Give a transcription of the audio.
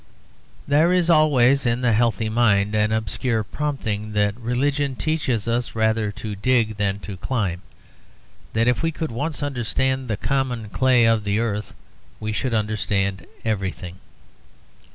There is always in the healthy mind an obscure prompting that religion teaches us rather to dig than to climb; that if we could once understand the common clay of earth we should understand everything.